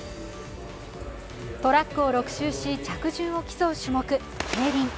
トラックを６周し着順を競う種目、ケイリン。